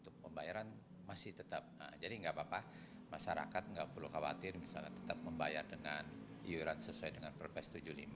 kami sudah membayar dengan iuran sesuai dengan perpres tujuh puluh lima